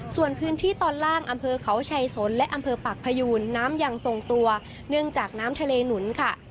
ส่วนพื้นที่ตอนล่างอำเภอเขาชัยสนและอำเภอปากพยูนน้ำยังทรงตัวเนื่องจากน้ำทะเลหนุนค่ะ